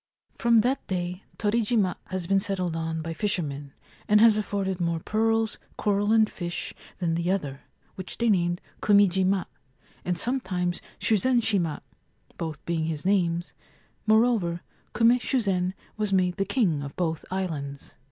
From that day Torijima has been settled on by fisher men, and has afforded more pearls^ coral, and fish than the other, which they named Kumijima, and sometimes Shuzen shima (both being his names) ; moreover, Kume Shuzen was made the king of both islands.